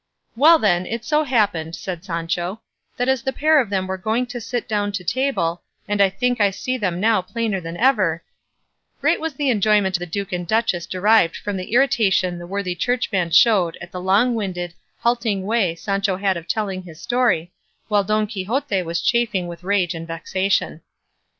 "Well then, it so happened," said Sancho, "that as the pair of them were going to sit down to table and I think I can see them now plainer than ever—" Great was the enjoyment the duke and duchess derived from the irritation the worthy churchman showed at the long winded, halting way Sancho had of telling his story, while Don Quixote was chafing with rage and vexation.